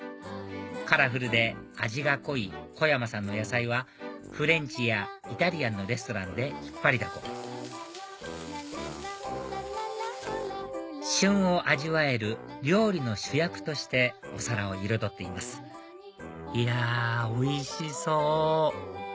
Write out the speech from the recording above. カラフルで味が濃い小山さんの野菜はフレンチやイタリアンのレストランで引っ張りだこ旬を味わえる料理の主役としてお皿を彩っていますいやおいしそう！